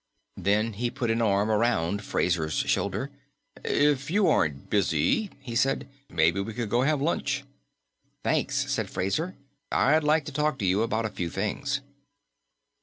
Then he put an arm around Fraser's shoulder. "If you aren't busy," he said, "maybe we could go have lunch." "Thanks," said Fraser. "I'd like to talk to you about a few things."